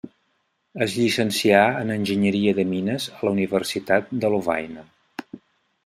Es llicencià en enginyeria de mines a la Universitat de Lovaina.